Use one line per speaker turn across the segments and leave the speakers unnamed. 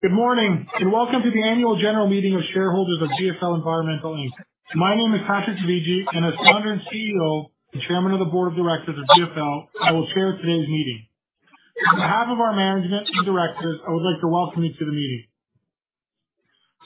Good morning, and welcome to the annual general meeting of shareholders of GFL Environmental Inc. My name is Patrick Dovigi, and as Founder and CEO and Chairman of the Board of Directors of GFL, I will chair today's meeting. On behalf of our management and directors, I would like to welcome you to the meeting.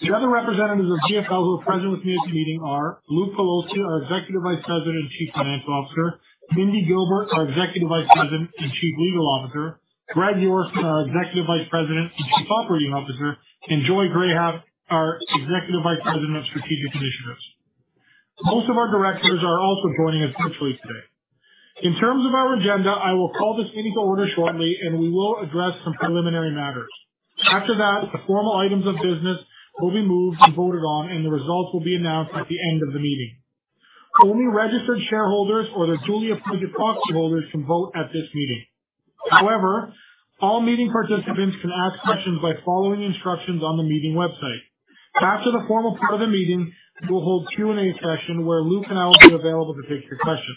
The other representatives of GFL who are present with me at the meeting are Luke Pelosi, our Executive Vice President and Chief Financial Officer. Mindy Gilbert, our Executive Vice President and Chief Legal Officer. Greg Yorston, our Executive Vice President and Chief Operating Officer, and Joy Grahek, our Executive Vice President of Strategic Initiatives. Most of our directors are also joining us virtually today. In terms of our agenda, I will call this meeting to order shortly, and we will address some preliminary matters. After that, the formal items of business will be moved and voted on, and the results will be announced at the end of the meeting. Only registered shareholders or their duly appointed proxy holders can vote at this meeting. However, all meeting participants can ask questions by following the instructions on the meeting website. After the formal part of the meeting, we'll hold Q&A session where Luke and I will be available to take your questions.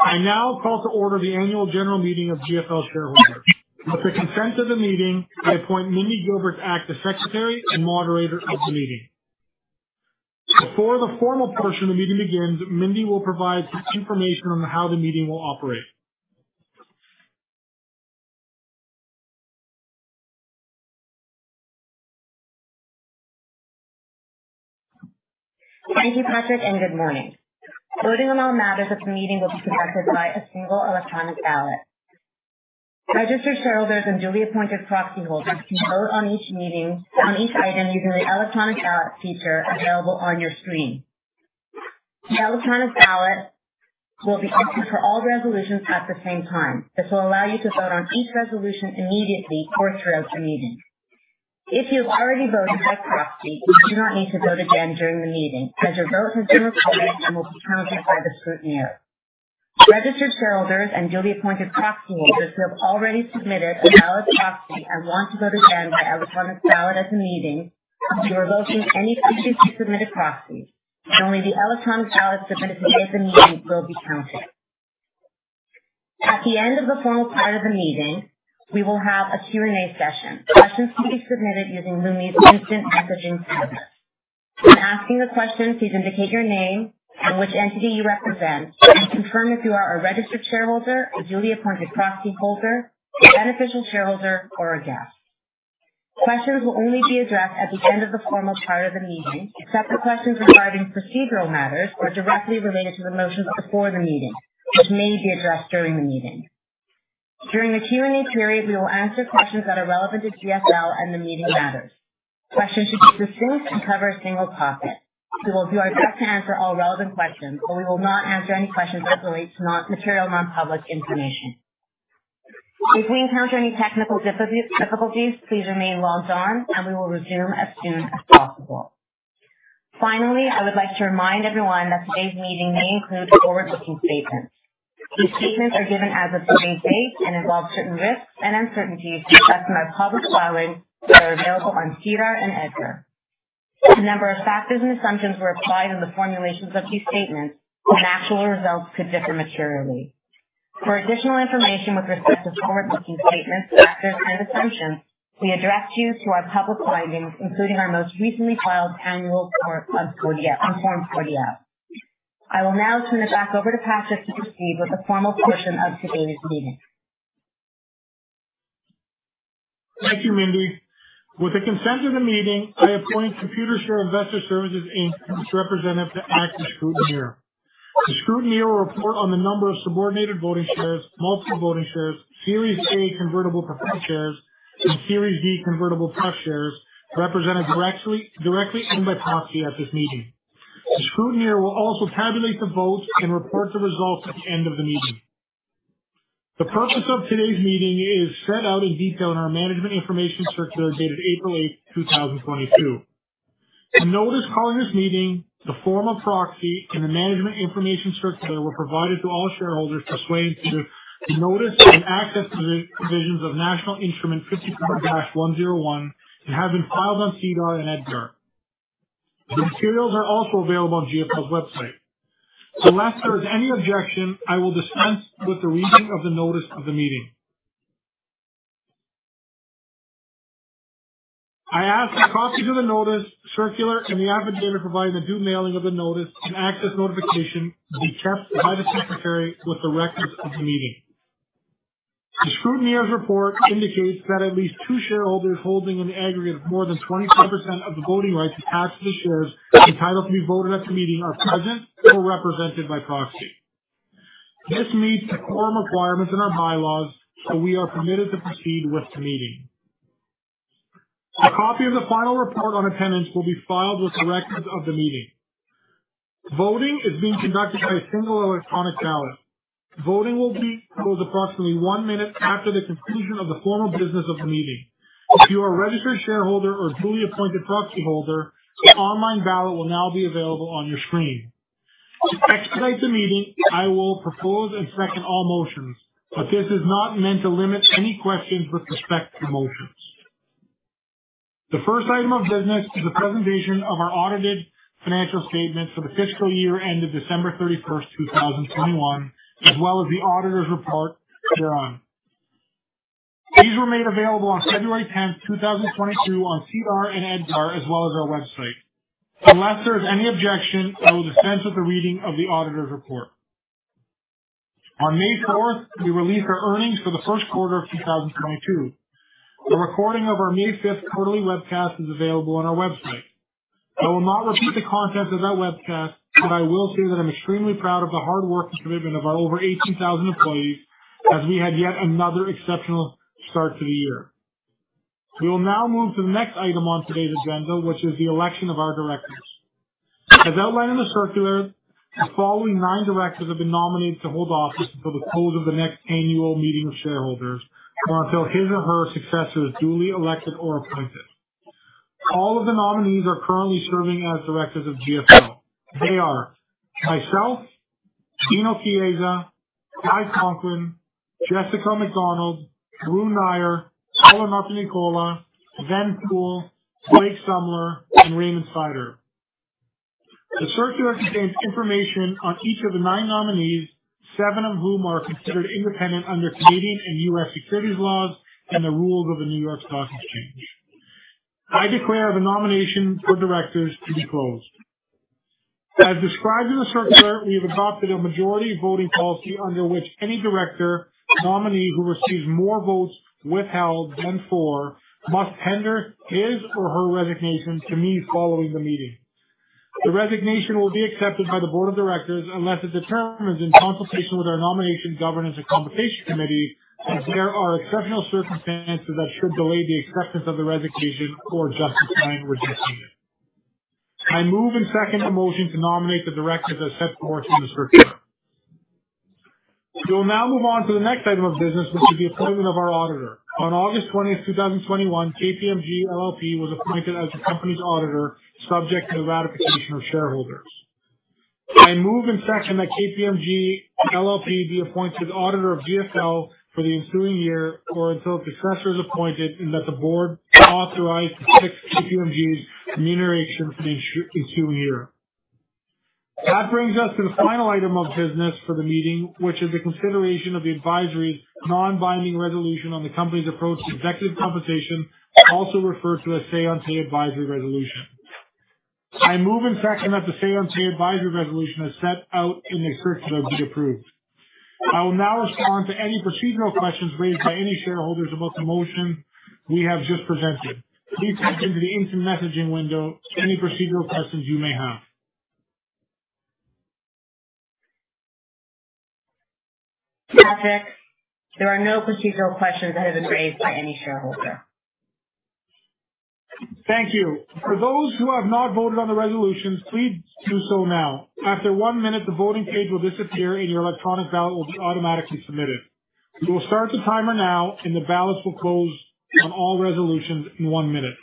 I now call to order the annual general meeting of GFL shareholders. With the consent of the meeting, I appoint Mindy Gilbert to act as Secretary and Moderator of the meeting. Before the formal portion of the meeting begins, Mindy will provide some information on how the meeting will operate.
Thank you, Patrick, and good morning. Voting on all matters of the meeting will be conducted by a single electronic ballot. Registered shareholders and duly appointed proxy holders can vote on each item using the electronic ballot feature available on your screen. The electronic ballot will be open for all the resolutions at the same time. This will allow you to vote on each resolution immediately or throughout the meeting. If you've already voted by proxy, you do not need to vote again during the meeting as your vote has been recorded and will be counted by the scrutineer. Registered shareholders and duly appointed proxy holders who have already submitted a valid proxy and want to vote again by electronic ballot at the meeting, you revoke any previously submitted proxies, and only the electronic ballot submitted at the meeting will be counted. At the end of the formal part of the meeting, we will have a Q&A session. Questions can be submitted using Lumi's instant messaging service. When asking the question, please indicate your name and which entity you represent, and confirm if you are a registered shareholder, a duly appointed proxy holder, a beneficial shareholder, or a guest. Questions will only be addressed at the end of the formal part of the meeting, except for questions regarding procedural matters or directly related to the motions before the meeting, which may be addressed during the meeting. During the Q&A period, we will answer questions that are relevant to GFL and the meeting matters. Questions should be succinct and cover a single topic. We will do our best to answer all relevant questions, but we will not answer any questions that relate to material non-public information. If we encounter any technical difficulties, please remain logged on and we will resume as soon as possible. Finally, I would like to remind everyone that today's meeting may include forward-looking statements. These statements are given as of today's date and involve certain risks and uncertainties discussed in our public filings that are available on SEDAR and EDGAR. A number of factors and assumptions were applied in the formulations of these statements, and actual results could differ materially. For additional information with respect to forward-looking statements, factors and assumptions, we refer you to our public filings, including our most recently filed annual report on Form 40-F. I will now turn it back over to Patrick to proceed with the formal portion of today's meeting.
Thank you, Mindy. With the consent of the meeting, I appoint Computershare Investor Services Inc as representative to act as scrutineer. The scrutineer will report on the number of subordinate voting shares, multiple voting shares, Series A convertible preferred shares, and Series B convertible preferred represented directly and by proxy at this meeting. The scrutineer will also tabulate the votes and report the results at the end of the meeting. The purpose of today's meeting is set out in detail in our Management Information Circular dated April 8, 2022. The notice calling this meeting, the formal proxy, and the Management Information Circular were provided to all shareholders pursuant to the notice-and-access positions of National Instrument 54-101 and have been filed on SEDAR and EDGAR. The materials are also available on GFL's website. Unless there is any objection, I will dispense with the reading of the notice of the meeting. I ask that copies of the notice, circular, and the affidavit proving the due mailing of the notice-and-access notification be kept by the Secretary with the records of the meeting. The scrutineer's report indicates that at least two shareholders holding an aggregate of more than 25% of the voting rights attached to the shares entitled to be voted at the meeting are present or represented by proxy. This meets the quorum requirements in our bylaws, so we are permitted to proceed with the meeting. A copy of the final report on attendance will be filed with the records of the meeting. Voting is being conducted by a single electronic ballot. Voting will be closed approximately one minute after the conclusion of the formal business of the meeting. If you are a registered shareholder or a duly appointed proxy holder, the online ballot will now be available on your screen. To expedite the meeting, I will propose and second all motions, but this is not meant to limit any questions with respect to the motions. The first item of business is the presentation of our audited financial statements for the fiscal year ended December 31, 2021, as well as the auditor's report thereon. These were made available on February 10, 2022 on SEDAR and EDGAR as well as our website. Unless there is any objection, I will dispense with the reading of the auditor's report. On May 4, we released our earnings for the first quarter of 2022. A recording of our May 5 quarterly webcast is available on our website. I will not repeat the contents of that webcast, but I will say that I'm extremely proud of the hard work and commitment of our over 18,000 employees as we had yet another exceptional start to the year. We will now move to the next item on today's agenda, which is the election of our directors. As outlined in the circular, the following nine directors have been nominated to hold office until the close of the next annual meeting of shareholders or until his or her successor is duly elected or appointed. All of the nominees are currently serving as directors of GFL. They are myself, Dino Chiesa, Violet Konkle, Jessica McDonald, Arun Nayar, Paolo Notarnicola, Ven Poole, Blake Sumler and Raymond Svider. The circular contains information on each of the nine nominees, seven of whom are considered independent under Canadian and U.S. securities laws and the rules of the New York Stock Exchange. I declare the nomination for directors to be closed. As described in the circular, we have adopted a majority voting policy under which any director nominee who receives more votes withheld than for must tender his or her resignation to me following the meeting. The resignation will be accepted by the board of directors unless it determines, in consultation with our Nomination, Governance and Compensation Committee, that there are exceptional circumstances that should delay the acceptance of the resignation or justify rejecting it. I move and second the motion to nominate the directors as set forth in the circular. We will now move on to the next item of business, which is the appointment of our auditor. On August 20, 2021, KPMG LLP was appointed as the company's auditor, subject to the ratification of shareholders. I move and second that KPMG LLP be appointed auditor of GFL for the ensuing year or until a successor is appointed, and that the board authorize to fix KPMG's remuneration for the ensuing year. That brings us to the final item of business for the meeting, which is the consideration of the advisory non-binding resolution on the company's approach to executive compensation, also referred to as say-on-pay advisory resolution. I move and second that the say-on-pay advisory resolution as set out in the script be approved. I will now respond to any procedural questions raised by any shareholders about the motion we have just presented. Please type into the instant messaging window any procedural questions you may have.
Patrick, there are no procedural questions that have been raised by any shareholder.
Thank you. For those who have not voted on the resolutions, please do so now. After one minute, the voting page will disappear and your electronic ballot will be automatically submitted. We will start the timer now and the ballots will close on all resolutions in one minute.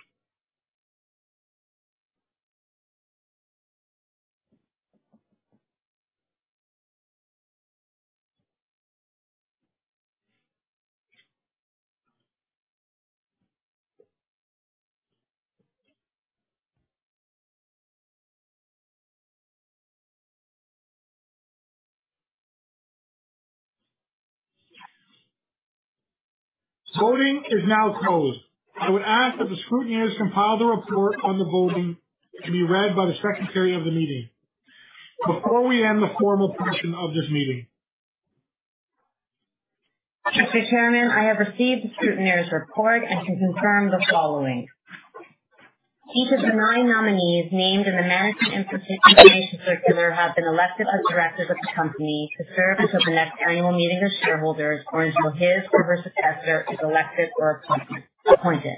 Voting is now closed. I would ask that the scrutineers compile the report on the voting to be read by the Secretary of the meeting. Before we end the formal portion of this meeting.
Mr. Chairman, I have received the scrutineers' report and can confirm the following. Each of the nine nominees named in the Management Information Circular have been elected as directors of the company to serve until the next annual meeting of shareholders, or until his or her successor is elected or appointed.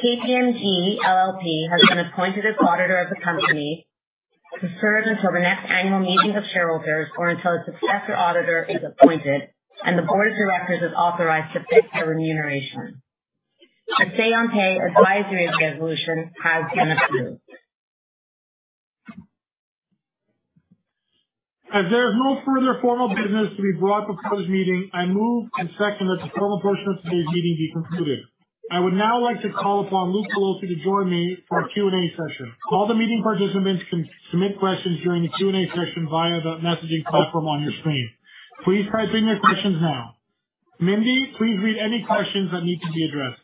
KPMG LLP has been appointed as auditor of the company to serve until the next annual meeting of shareholders or until a successor auditor is appointed and the board of directors is authorized to fix their remuneration. The say-on-pay advisory resolution has been approved.
As there is no further formal business to be brought before this meeting. I move and second that the formal portion of today's meeting be concluded. I would now like to call upon Luke Pelosi to join me for a Q&A session. All the meeting participants can submit questions during the Q&A session via the messaging platform on your screen. Please type in your questions now. Mindy, please read any questions that need to be addressed.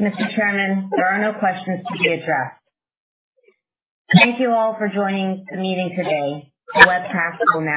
Mr. Chairman, there are no questions to be addressed. Thank you all for joining the meeting today. The webcast will now end.